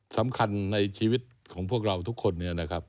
สำคัญในชีวิตของพวกเราทุกคน